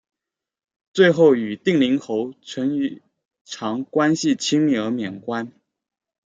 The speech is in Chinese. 最后与定陵侯淳于长关系亲密而免官。